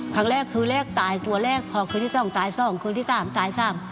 ครั้งแรกคืนแรกตายตัวแรกพอคนที่สองตายสองคนที่สามตายสาม